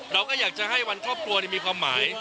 เราก็อยากจะให้วันครอบครัวมีความหมาย